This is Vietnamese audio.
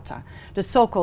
và rộng rãi